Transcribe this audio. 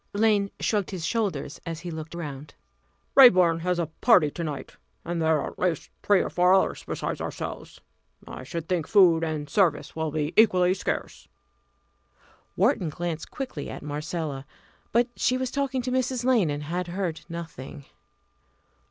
Lane shrugged his shoulders as he looked round. "Raeburn has a party to night. And there are at least three or four others besides ourselves. I should think food and service will be equally scarce!" Wharton glanced quickly at Marcella. But she was talking to Mrs. Lane, and had heard nothing.